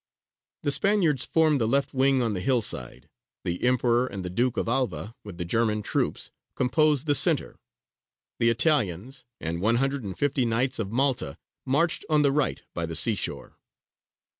The Spaniards formed the left wing on the hill side; the Emperor and the Duke of Alva with the German troops composed the centre; the Italians and one hundred and fifty knights of Malta marched on the right by the seashore.